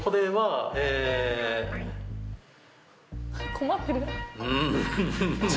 困ってる。